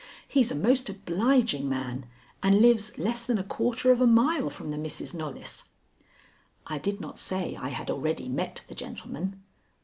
He's a most obliging man, and lives less than a quarter of a mile from the Misses Knollys." I did not say I had already met the gentleman.